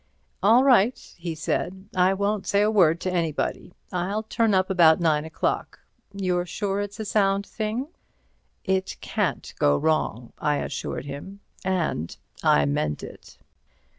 "All right," he said, "I won't say a word to anybody. I'll turn up about nine o'clock. You're sure it's a sound thing?" "It can't go wrong," I assured him. And I meant it.